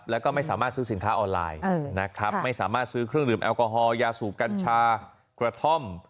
แล้วก็ไม่สามารถซื้อสินค้าออนไลน์นะครับไม่สามารถซื้อเครื่องดื่มแอลกอฮอลยาสูบกัญชากระท่อม